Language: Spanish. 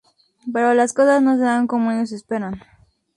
Pero las cosas no se dan como ellos esperan.